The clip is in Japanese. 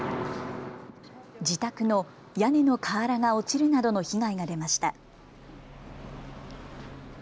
自宅の屋根の瓦が落ちるなどの被害が出ました。